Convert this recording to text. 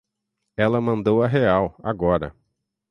Ela mandou a real, agora.